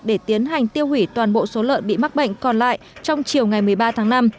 để tiến hành tiêu hủy toàn bộ số lợn bị mắc bệnh còn lại trong chiều ngày một mươi ba tháng năm